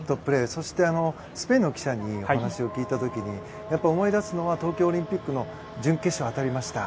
そして、スペインの記者に話を聞いた時にやっぱり思い出すのは東京オリンピックの準決勝当たりました。